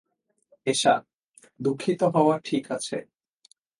টেসা, দুঃখিত হওয়া ঠিক আছে।